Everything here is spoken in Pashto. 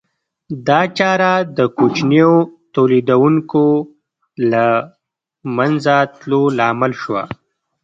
دا چاره د کوچنیو تولیدونکو د له منځه تلو لامل شوه